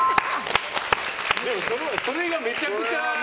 でも、それがめちゃくちゃ。